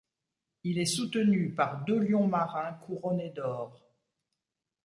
Il est soutenu par deux lions marins, couronnés d'or.